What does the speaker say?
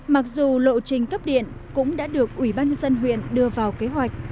mặc dù lộ trình cấp điện cũng đã được ủy ban dân huyện đưa vào kế hoạch